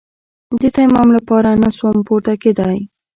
د تيمم لپاره هم نسوم پورته کېداى.